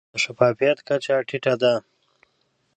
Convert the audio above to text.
د شفافیت کچه ټیټه ده.